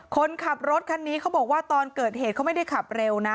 คนขับรถคันนี้เขาบอกว่าตอนเกิดเหตุเขาไม่ได้ขับเร็วนะ